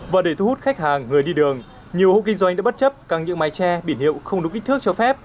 và để thu hút khách hàng người đi đường nhiều hộ kinh doanh đã bất chấp căng những mái tre biển hiệu không đúng kích thước cho phép